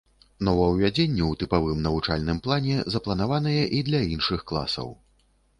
Новаўвядзенні ў тыпавым навучальным плане запланаваныя і для іншых класаў.